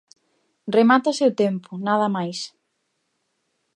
Remátase o tempo, nada máis.